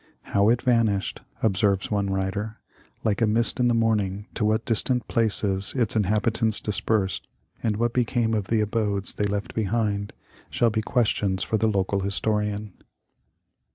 " How it vanished," observes one writer, " like a mist in the morning, to what distant places its inhabitants dispersed, and what became of the abodes they left behind, shall be questions for the local historian."